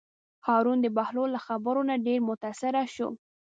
هارون د بهلول له خبرو نه ډېر متأثره شو.